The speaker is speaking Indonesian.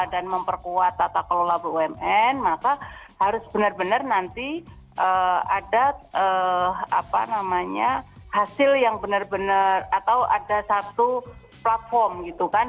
dan memperkuat tata kelola bumn maka harus benar benar nanti ada apa namanya hasil yang benar benar atau ada satu platform gitu kan